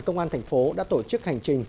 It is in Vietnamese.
công an thành phố đã tổ chức hành trình